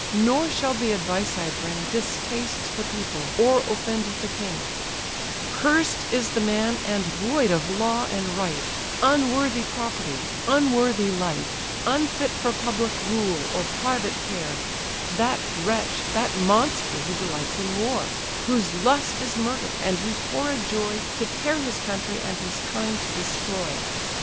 nor shall the advice I bring Distaste the people, or offend the king: "Cursed is the man, and void of law and right, Unworthy property, unworthy light, Unfit for public rule, or private care, That wretch, that monster, who delights in war; Whose lust is murder, and whose horrid joy, To tear his country, and his kind destroy!